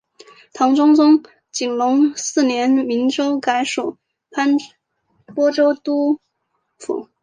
唐中宗景龙四年明州改属播州都督府。